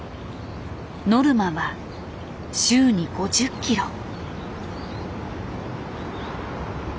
ノルマは週に５０キロ。